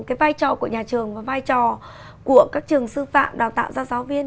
cái vai trò của nhà trường và vai trò của các trường sư phạm đào tạo ra giáo viên